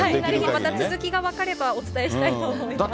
また続きが分かればお伝えしたいと思います。